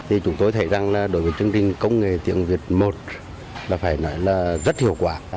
thì chúng tôi thấy rằng là đối với chương trình công nghệ tiếng việt một là phải nói là rất hiệu quả